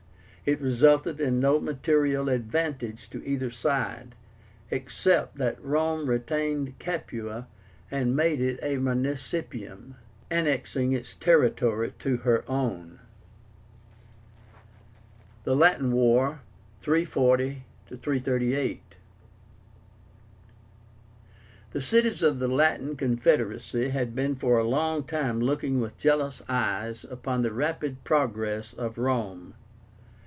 It resulted in no material advantage to either side, except that Rome retained Capua and made it a municipium, annexing its territory to her own. THE LATIN WAR (340 338). The cities of the LATIN CONFEDERACY had been for a long time looking with jealous eyes upon the rapid progress of Rome.